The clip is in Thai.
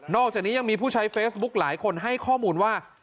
อกจากนี้ยังมีผู้ใช้เฟซบุ๊คหลายคนให้ข้อมูลว่า